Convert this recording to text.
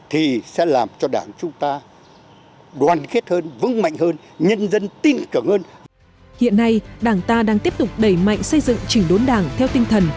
hiện nay đảng ta đang tiếp tục đẩy mạnh xây dựng chỉnh đốn đảng theo tinh thần